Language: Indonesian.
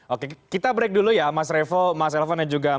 oke kita break dulu ya mas revo mas elvan dan juga bang